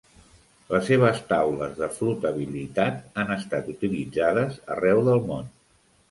Les seves taules de flotabilitat han estat utilitzades arreu del món.